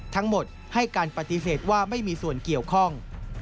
ทั้งหมดให้การปฏิเสธว่าไม่มีส่วนเกี่ยวข้อง